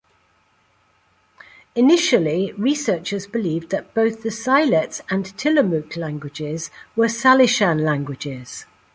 Initially researchers believed that both the Siletz and Tillamook languages were Salishan languages.